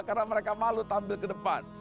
karena mereka malu tampil ke depan